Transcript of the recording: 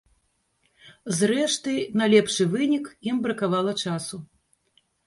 Зрэшты, на лепшы вынік ім бракавала часу.